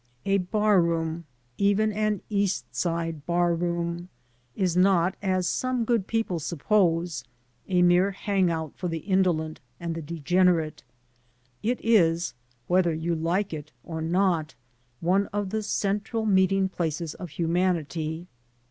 A barroom — even an East Side barroom — ^is not, as some good people suppose, a mere hang out for the indolent and the degenerate. It is, whether you like it or not, one of the central meeting places of humanity.